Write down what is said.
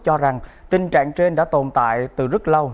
cho rằng tình trạng trên đã tồn tại từ rất lâu